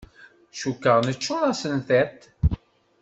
Cukkeɣ neččur-asen tiṭ.